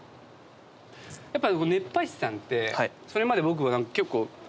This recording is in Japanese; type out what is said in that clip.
やっぱ